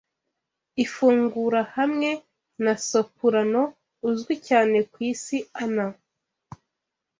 ifungura hamwe na sopurano uzwi cyane ku isi Anna